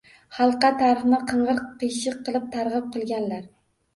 Xalqqa tarixni qing‘ir-qiyshiq qilib targ‘ib qilganlar.